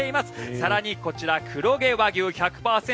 更にこちら、黒毛和牛１００％！